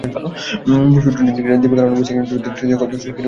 সূত্রটি জানিয়েছে, দীপিকা-রণবীর সিং জুটির তৃতীয় ছবির কাজও শিগগিরই শুরু হতে চলেছে।